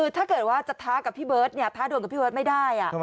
ถ้าเกิดจะท้ากับพี่เบิร์สไม่ได้